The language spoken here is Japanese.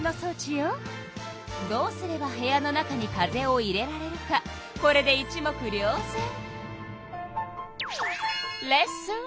どうすれば部屋の中に風を入れられるかこれで一目りょうぜん。